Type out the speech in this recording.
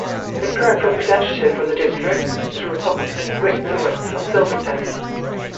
The current representative for the district is Republican Rick Lewis of Silverton.